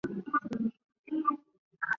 光叶箬竹为禾本科箬竹属下的一个变种。